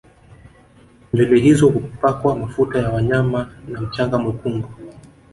Nywele hizo hupakwa mafuta ya wanyama na mchanga mwekundu